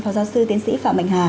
phó giáo sư tiến sĩ phạm bành hà